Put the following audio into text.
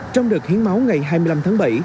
trong đợt hiến máu ngày hai mươi năm tháng bảy